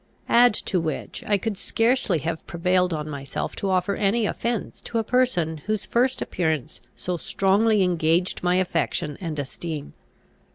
Add to which, I could scarcely have prevailed on myself to offer any offence to a person whose first appearance so strongly engaged my affection and esteem.